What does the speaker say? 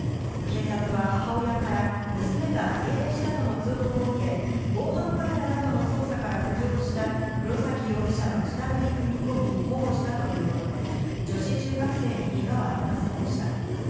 警察は母親から娘が家出したとの通報を受け、防犯カメラなどの捜査から浮上した黒崎容疑者の自宅に踏み込み、保護したということで、女子中学生にけがはありませんでした。